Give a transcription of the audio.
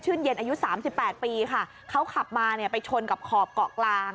เย็นอายุสามสิบแปดปีค่ะเขาขับมาเนี่ยไปชนกับขอบเกาะกลาง